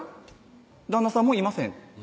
「旦那さんもいません」